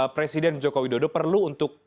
presiden jokowi dodo perlu untuk mencari